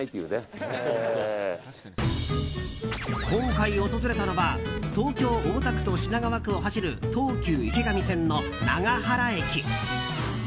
今回訪れたのは東京・大田区と品川区を走る東急池上線の長原駅。